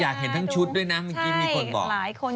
อยากเห็นทั้งชุดด้วยนะมีคนบอก